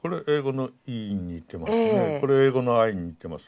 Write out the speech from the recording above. これ英語の「Ｉ」に似てます。